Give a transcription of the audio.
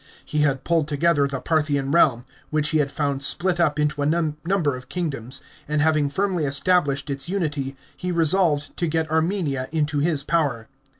He had pulled together the Parthian realm, which he had found split up into a number of kingdoms, and having tirmly established its unity, he resolved to get Armenia into his power.